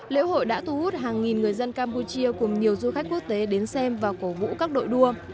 lễ hội đã thu hút hàng nghìn người dân campuchia cùng nhiều du khách quốc tế đến xem và cổ vũ các đội đua